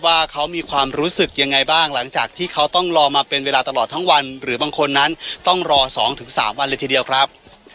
ว่าเขามีความรู้สึกยังไงบ้างหลังจากที่เขาต้องรอมาเป็นเวลาตลอดทั้งวันหรือบางคนนั้นต้องรอ๒๓วันเลยทีเดียวครับ